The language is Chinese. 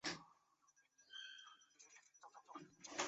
格里利镇区为美国堪萨斯州塞奇威克县辖下的镇区。